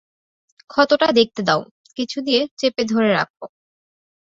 ক্ষতটা দেখতে দাও, কিছু দিয়ে চেপে ধরে রাখো।